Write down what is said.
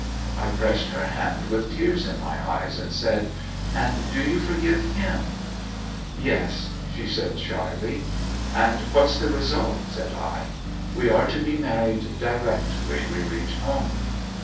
I pressed her hand, with tears in my eyes, and said, 'And do you forgive him?' 'Yes,' said she, shyly. 'And what's the result?' said I. 'We are to be married directly we reach home.'